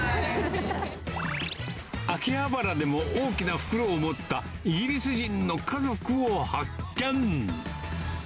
秋葉原でも、大きな袋を持ったイギリス人の家族を発見。